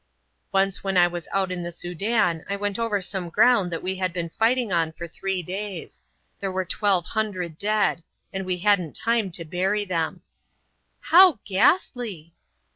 "Once when I was out in the Soudan I went over some ground that we had been fighting on for three days. There were twelve hundred dead; and we hadn't time to bury them." "How ghastly!"